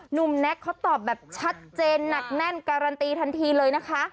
แน็กเขาตอบแบบชัดเจนหนักแน่นการันตีทันทีเลยนะคะ